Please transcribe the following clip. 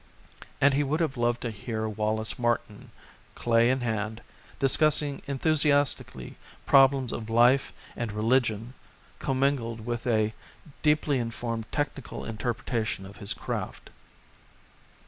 And he would have loved to hear Wallace Martin, clay in hand, discussing enthusiastically problems of life and religion, commingled with a deeply informed technical interpretation of his craft.